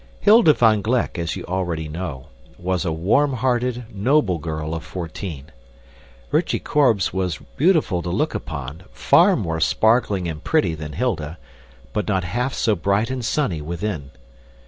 Hilda van Gleck, as you already know, was a warm hearted, noble girl of fourteen. Rychie Korbes was beautiful to look upon, far more sparkling and pretty than Hilda but not half so bright and sunny within.